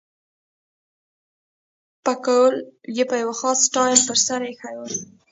پکول یې په یو خاص سټایل پر سر اېښی وو.